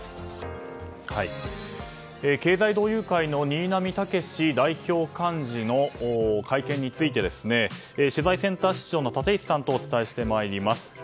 経済同友会の新浪剛史代表幹事の会見について取材センター室長の立石さんとお伝えしてまいります。